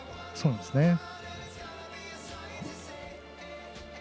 そうなんですね。